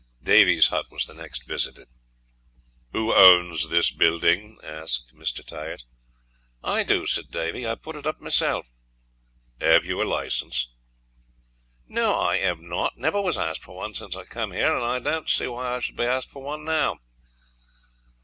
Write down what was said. Davy's hut was the next visited. "Who owns this building?" asked Mr. Tyers. "I do," said Davy. "I put it up myself." "Have you a license?" "No, I have not. Never was asked for one since I came here, and I don't see why I should be asked for one now."